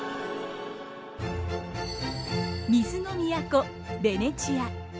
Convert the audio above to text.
水の都ベネチア。